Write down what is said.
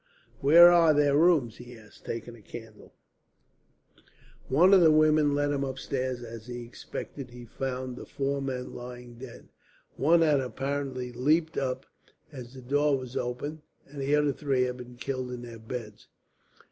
"Where are their rooms?" he asked, taking a candle. One of the women led him upstairs. As he expected, he found the four men lying dead. One had apparently leapt up as the door was opened, and the other three had been killed in their beds.